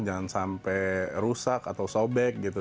jangan sampai rusak atau sobek gitu